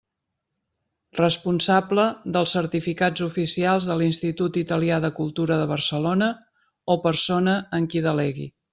Responsable dels certificats oficials de l'Institut Italià de Cultura de Barcelona, o persona en qui delegui.